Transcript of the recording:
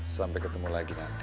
sampai ketemu lagi nanti